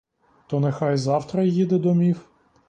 То нехай завтра їде домів.